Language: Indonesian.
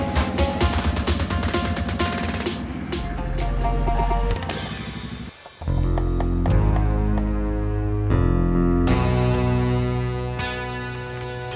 gak ada kakaknya